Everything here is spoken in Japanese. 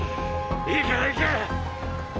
いいから行け！